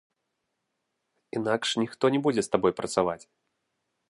Інакш ніхто не будзе з табой працаваць.